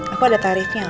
aku ada tarifnya